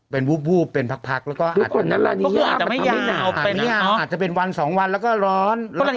เป็นวูบวูบเป็นพักพักแล้วก็อาจจะลาเนี่ยอาจจะไม่ยาวอาจจะเป็นวันสองวันแล้วก็ร้อน